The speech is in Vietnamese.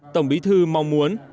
tổng bí thư mong muốn